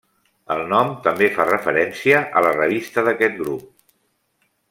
El nom també fa referència a la revista d'aquest grup.